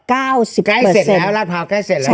ราดพร้าวใกล้เสร็จแล้ว